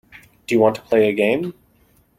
Do you want to play a game.